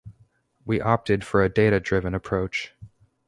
We opted for a data-driven approach.